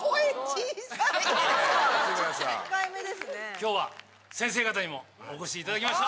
今日は先生方にもお越しいただきました。